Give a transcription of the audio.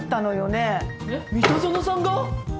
えっ三田園さんが！？